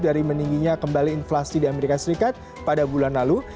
dari meningginya kembali inflasi di as pada bulan lalu